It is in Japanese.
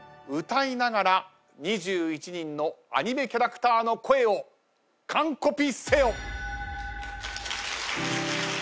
歌いながら２１人のアニメキャラクターの声をカンコピせよ。